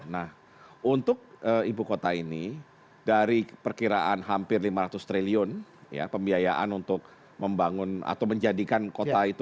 nah untuk ibu kota ini dari perkiraan hampir lima ratus triliun ya pembiayaan untuk membangun atau menjadikan kota itu